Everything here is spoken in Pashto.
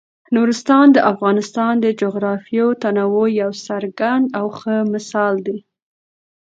نورستان د افغانستان د جغرافیوي تنوع یو څرګند او ښه مثال دی.